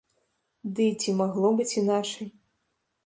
Ды і ці магло быць іначай.